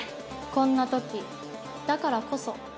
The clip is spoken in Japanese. こんなときだからこそ。